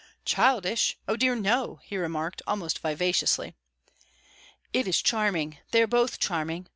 "Childish? Oh dear, no!" he remarked, almost vivaciously. "It is charming; they are both charming.